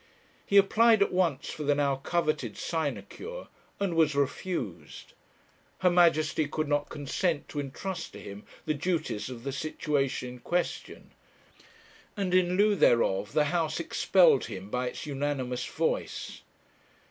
He applied at once for the now coveted sinecure, and was refused. Her Majesty could not consent to entrust to him the duties of the situation in question ; and in lieu thereof the House expelled him by its unanimous voice.